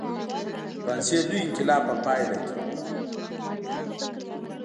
د فرانسې لوی انقلاب په پایله کې.